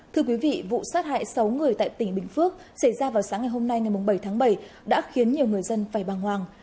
thưa quý vị vụ sát hại sáu người tại tỉnh bình phước xảy ra vào sáng ngày hôm nay ngày bảy tháng bảy đã khiến nhiều người dân phải băng hoàng